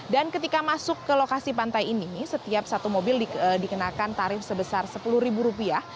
dan ketika masuk ke lokasi pantai ini setiap satu mobil dikenakan tarif sebesar sepuluh ribu rupiah